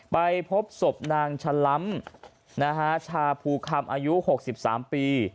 ไปพบศพนางชะล้ำชาภูคำอายุ๖๓ปี